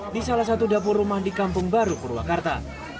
di salah satu dapur rumah di kampung baru purwakarta